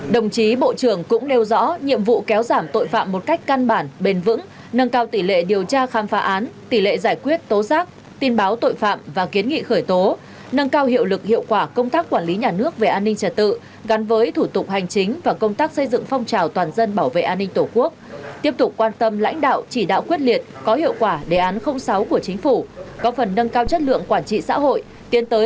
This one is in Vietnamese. đồng chí bộ trưởng cũng nêu rõ nhiệm vụ kéo giảm tội phạm một cách căn bản bền vững nâng cao tỷ lệ điều tra khám phá án tỷ lệ giải quyết tố giác tin báo tội phạm và kiến nghị khởi tố nâng cao hiệu lực hiệu quả công tác quản lý nhà nước về an ninh trật tự gắn với thủ tục hành chính và công tác xây dựng phong trào toàn dân bảo vệ an ninh tổ quốc tiếp tục quan tâm lãnh đạo chỉ đạo quyết liệt có hiệu quả đề án sáu của chính phủ có phần nâng cao chất lượng quản trị xã hội tiến